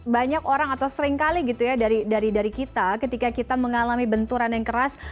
banyak orang atau seringkali gitu ya dari kita ketika kita mengalami benturan yang keras